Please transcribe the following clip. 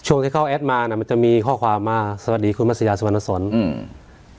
ช่วงที่เขาแอดมาน่ะมันจะมีข้อความมาสวัสดีคุณมัศยาสุวรรณสนอืม